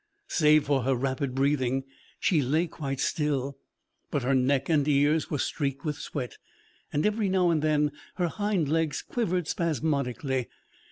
Save for her rapid breathing, she lay quite still, but her neck and ears were streaked with sweat, and every now and then her hind legs quivered spasmodically.